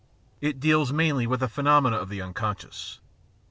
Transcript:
It deals mainly with the phenomena of the unconscious.